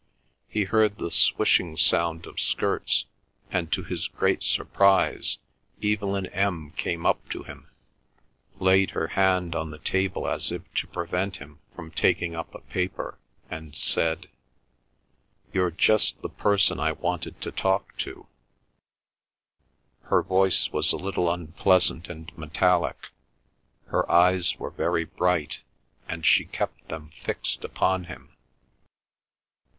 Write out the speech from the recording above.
He heard the swishing sound of skirts, and to his great surprise, Evelyn M. came up to him, laid her hand on the table as if to prevent him from taking up a paper, and said: "You're just the person I wanted to talk to." Her voice was a little unpleasant and metallic, her eyes were very bright, and she kept them fixed upon him.